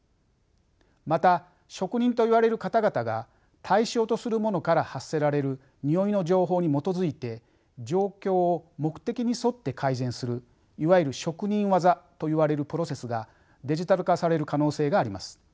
また職人といわれる方々が対象とするものから発せられるにおいの情報に基づいて状況を目的に沿って改善するいわゆる職人技といわれるプロセスがデジタル化される可能性があります。